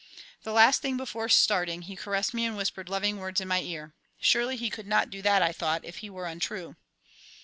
The last thing before starting he caressed me and whispered loving words in my ear. Surely he could not do that, I thought, if he were untrue.